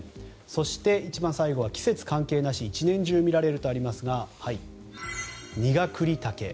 そして一番最後は季節関係なしに一年中見られるとありますがニガクリタケ。